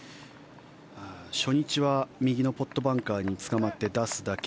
初日は右のポットバンカーにつかまって出すだけ。